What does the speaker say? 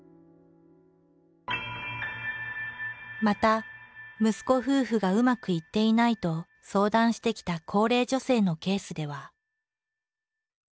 また「息子夫婦がうまくいっていない」と相談してきた高齢女性のケースでは。